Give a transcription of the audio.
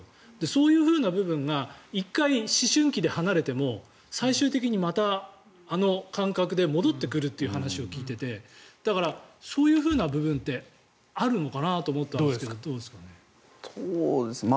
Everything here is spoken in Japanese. そういう部分が１回、思春期で離れても最終的にまたあの感覚で戻ってくるという話を聞いていてだから、そういうふうな部分ってあるのかなと思ったんですけどどうですかね？